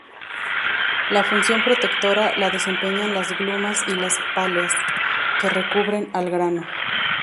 La función protectora la desempeñan las glumas y las páleas; que recubren al grano.